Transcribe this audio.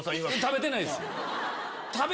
食べてないです。